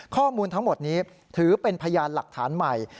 ข้อมูลทั้งหมดนี้ถือเป็นพยานหลักฐานใหม่